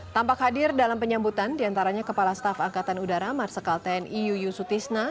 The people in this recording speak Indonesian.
tampak hadir dalam penyambutan diantaranya kepala staf angkatan udara marsikal tni yuyusutisna